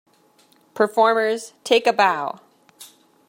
Performers, take a bow!